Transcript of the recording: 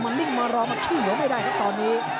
มันนิ่งมารอกมาขี้หลงไม่ได้ครับตอนนี้